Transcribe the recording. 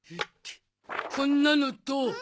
こんなのどう？